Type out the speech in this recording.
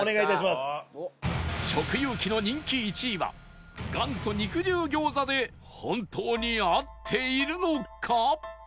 食遊記の人気１位は元祖肉汁餃子で本当に合っているのか？